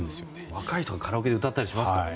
若い人がカラオケで歌ったりしますよね。